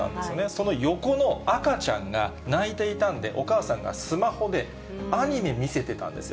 その横の赤ちゃんが泣いていたんで、お母さんがスマホで、アニメ見せてたんですよ。